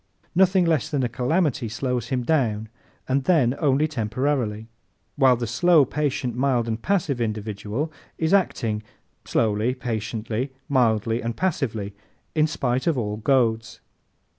Nothing less than a calamity slows him down and then only temporarily; while the slow, patient, mild and passive individual is acting slowly, patiently, mildly and passively in spite of all goads.